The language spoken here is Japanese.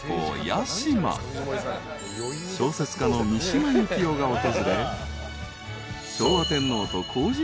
［小説家の三島由紀夫が訪れ］